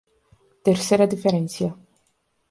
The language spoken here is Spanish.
Tercera diferencia.